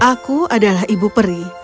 aku adalah ibu peri